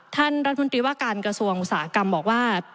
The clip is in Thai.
ท่านรัฐมนตรีว่าการกระทรวงอุตสาหกรรมบอกว่า